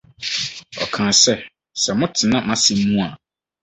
Ɔkaa sɛ: “ Sɛ motena m’asɛm mu a